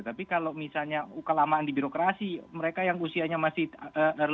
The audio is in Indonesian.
tapi kalau misalnya kelamaan di birokrasi mereka yang usianya masih early tiga puluh 's tuh ada yang bisa